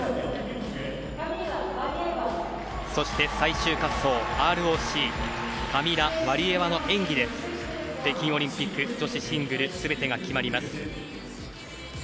そして最終滑走、ＲＯＣカミラ・ワリエワの演技で北京オリンピック女子シングル全てが決まります。